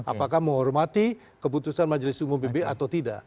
apakah menghormati keputusan majelis umum pbi atau tidak